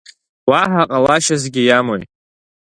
Уаҳа ҟалашьасгьы иамои?